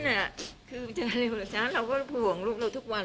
นั่นอ่ะคือเจอเร็วหรือช้าเราก็ห่วงลูกเราทุกวัน